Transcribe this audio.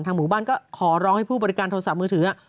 หมู่บ้านก็ขอร้องให้ผู้บริการโทรศัพท์มือถือ